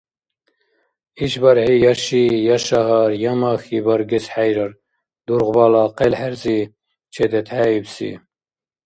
ИшбархӀи я ши, я шагьар, я махьи баргес хӀейрар дургъбала къел-хӀерзи чедетхӀеибси.